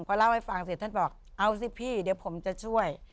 พอเล่าให้ฟังเสร็จท่านบอกเอาสิพี่เดี๋ยวผมจะช่วย